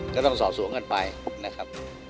ก็ต้องสอบสวนกันไปนะครับ